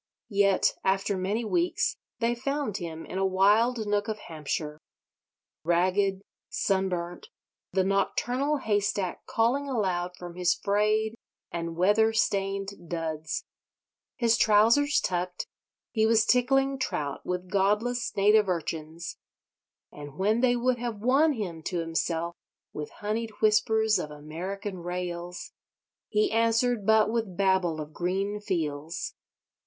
Yet, after many weeks, they found him in a wild nook of Hampshire. Ragged, sun burnt, the nocturnal haystack calling aloud from his frayed and weather stained duds, his trousers tucked, he was tickling trout with godless native urchins; and when they would have won him to himself with honied whispers of American Rails, he answered but with babble of green fields.